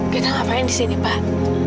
kita ngapain di sini pak